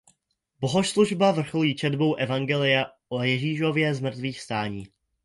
Bohoslužba vrcholí četbou evangelia o Ježíšově zmrtvýchvstání.